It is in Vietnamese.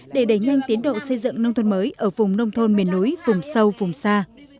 nên tiến độ xây dựng nông thuận mới ở vùng nông thuận miền núi vùng sâu vùng xa